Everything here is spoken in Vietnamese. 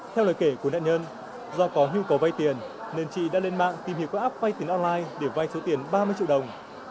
theo lời kể của nạn nhân do có nhu cầu vay tiền nên chị đã lên mạng tìm hiểu qua app vay tiền online để vai số tiền ba mươi triệu đồng